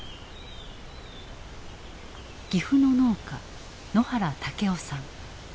岐阜の農家野原武雄さん。